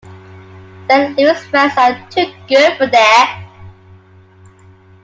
Saint Louis fans are too good for that.